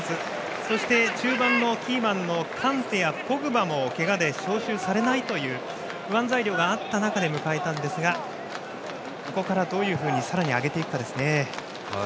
そして、中盤のキーマンのカンテやポグバもけがで招集されないという不安材料があった中で迎えたんですがここから、どうさらに上げていくか。